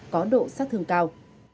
có độ sát thương cao